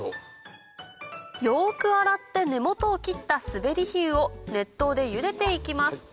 よく洗って根元を切ったスベリヒユを熱湯で茹でて行きます